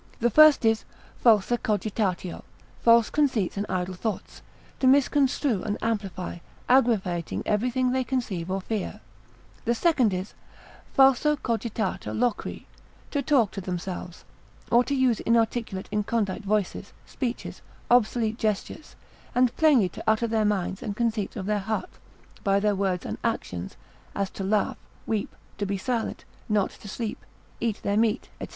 The first is, falsa cogitatio, false conceits and idle thoughts: to misconstrue and amplify, aggravating everything they conceive or fear; the second is, falso cogitata loqui, to talk to themselves, or to use inarticulate incondite voices, speeches, obsolete gestures, and plainly to utter their minds and conceits of their hearts, by their words and actions, as to laugh, weep, to be silent, not to sleep, eat their meat, &c.